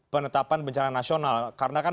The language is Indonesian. penetapan bencana nasional karena kan